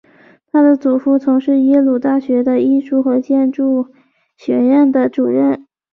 她的祖父曾经是耶鲁大学的艺术和建筑学院的主任。